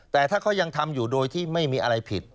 แต่ถ้าเขายังทำอยู่โดยที่ไม่มีอะไรผิด